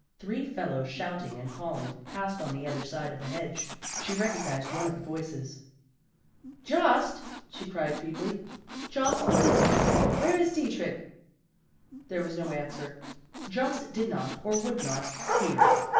Three fellows shouting and calling, passed on the other side of the hedge; she recognized one of the voices. "Jost," she cried feebly, "Jost, what is it? where is Dietrich?" There was no answer; Jost did not or would not, hear.